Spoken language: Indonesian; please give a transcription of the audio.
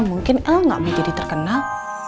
mungkin el nggak bisa jadi terkenal